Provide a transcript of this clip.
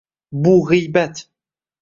Bu g‘iybat.